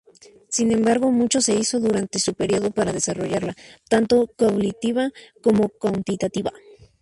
Sin embargo, mucho se hizo durante su periodo para desarrollarla tanto cualitativa como cuantitativamente.